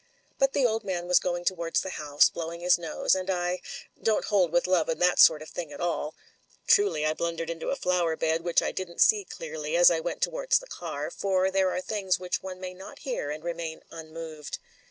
But the old man was going towards the house, blow ing his nose ; and I— don't hold with love and that sort of thing at all. True, I blundered into a flower bed, which I didn't see clearly, as I went towards the car, for there are things which one may not hear and remain unmoved.